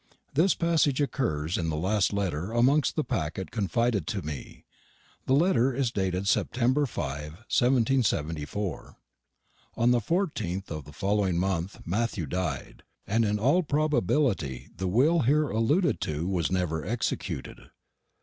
This passage occurs in the last letter, amongst the packet confided to me. The letter is dated September 5, 1774. On the fourteenth of the following month Matthew died, and in all probability the will here alluded to was never executed.